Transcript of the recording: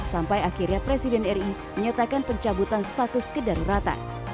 sampai akhirnya presiden ri menyatakan pencabutan status kedaruratan